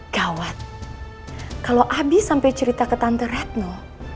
gawat kalau abi sampai cerita ke tante retno